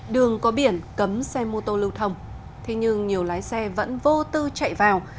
đường có biển cấm xe mô tô lưu thông thế nhưng nhiều lái xe vẫn vô tư chạy vào